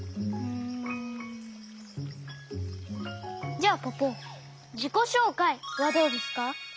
じゃあポポじこしょうかいはどうですか？